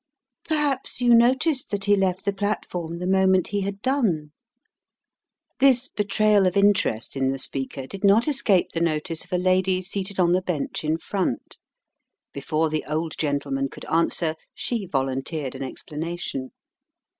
"Perhaps you noticed that he left the platform the moment he had done?" This betrayal of interest in the speaker did not escape the notice of a lady seated on the bench in front. Before the old gentleman could answer she volunteered an explanation.